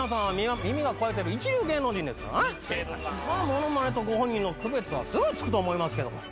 モノマネとご本人の区別はすぐつくと思いますけども。